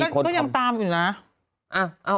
ก็ยังตามอยู่นะ